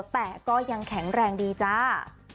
แต่ก็ยังแข็งแรงดีจ้า